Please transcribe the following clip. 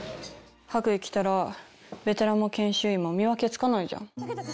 白衣着たらベテランも研修医も見分けつかないじゃん。